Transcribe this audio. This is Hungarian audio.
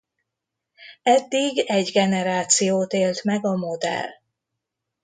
Eddig egy generációt élt meg a modell.